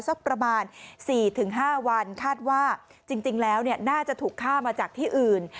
สักประมาณ๔๕วันคาดว่าจริงแล้วน่าจะถูกฆ่ามาจากที่อื่น